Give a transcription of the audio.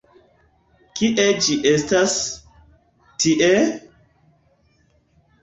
Kie ĝi estas... tie!